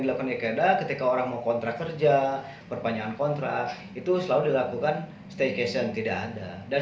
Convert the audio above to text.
dan viralnya masalah staycation